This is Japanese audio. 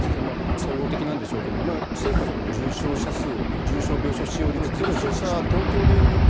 総合的なんでしょうけど政府は重症者数、重症病床使用率というのを重視していると。